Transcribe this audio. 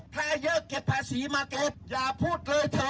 แพร่เยอะเก็บภาษีมาเถอะอย่าพูดเลยเถอะ